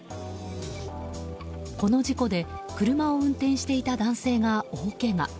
この事故で車を運転していた男性が大けが。